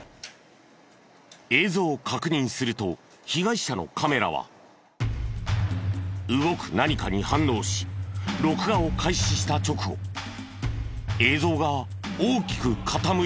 映像を確認すると被害者のカメラは動く何かに反応し録画を開始した直後映像が大きく傾いた。